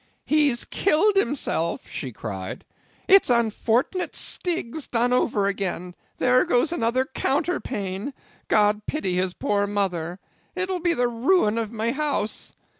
"He's killed himself," she cried. "It's unfort'nate Stiggs done over again—there goes another counterpane—God pity his poor mother!—it will be the ruin of my house.